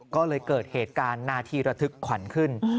ก็เลยเกิดเหตุการณ์นาทีระทึกขวัญขึ้น